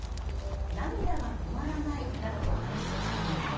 涙が止まらないなどと話す住民も。